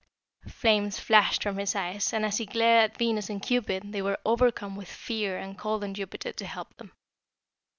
Flames flashed from his eyes, and as he glared at Venus and Cupid they were overcome with fear and called on Jupiter to help them.